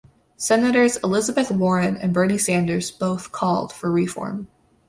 Senators Elizabeth Warren and Bernie Sanders both called for reform.